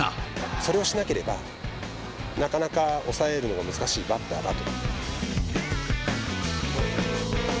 それをしなければ、なかなか抑えるのは難しいバッターだと。